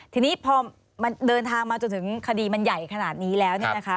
ทีนี้พอเดินทางมาจนถึงคดีมันใหญ่ขนาดนี้แล้ว